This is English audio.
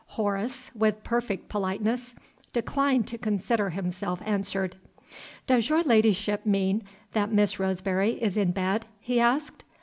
_ Horace (with perfect politeness) declined to consider himself answered. "Does your ladyship mean that Miss Roseberry is in bed?" he asked.